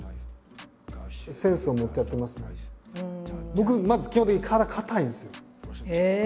僕まず基本的に体硬いんですよ。